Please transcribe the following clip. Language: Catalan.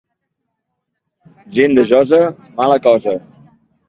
Gent de Josa, mala cosa.